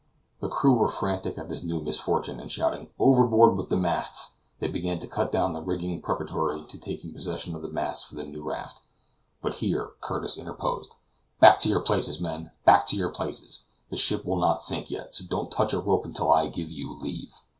The crew were frantic at this new misfortune, and shouting "Overboard with the masts!" they began to cut down the rigging preparatory to taking possession of the masts for a new raft. But here Curtis interposed: "Back to your places, my men; back to your places. The ship will not sink yet, so don't touch a rope until I give you leave."